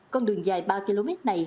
con đường dài ba km này